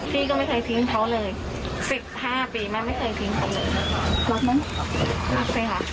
พี่ก็ไม่เคยทิ้งเขาเลย๑๕ปีแม่งไม่เคยทิ้ง